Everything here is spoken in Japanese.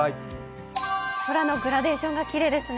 空のグラデーションがきれいですね。